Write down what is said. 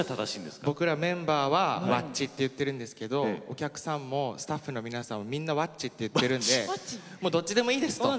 僕らメンバーはワッ「チ」って言ってるんですけどお客さんもスタッフの皆さんもみんな「ワッ」チって言ってるんでもうどっちでもいいですと。